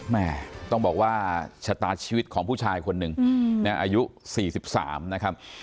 แม่ต้องบอกว่าชะตาชีวิตของผู้ชายคนหนึ่งนะอายุ๔๓นะครับ